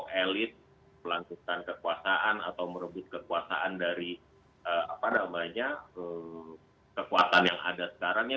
untuk elit melakukan kekuasaan atau merebut kekuasaan dari kekuatan yang ada sekarang